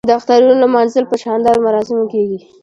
د اخترونو لمانځل په شاندارو مراسمو کیږي.